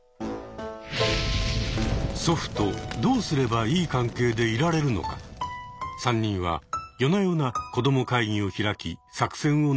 祖父とどうすればいい関係でいられるのか３人は夜な夜な子ども会議を開き作戦を練ったという。